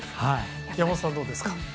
山本さんはどうですか？